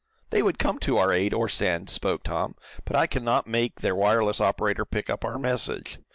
"They would come to our aid, or send," spoke Tom, "but I can not make their wireless operator pick up our message.